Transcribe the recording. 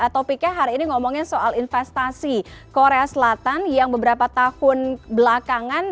topiknya hari ini ngomongin soal investasi korea selatan yang beberapa tahun belakangan